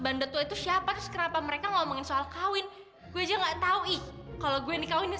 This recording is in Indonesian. bandet tua itu siapa terus kenapa mereka ngomongin soal kawin gue aja nggak tahu ih kalau gue nikawinin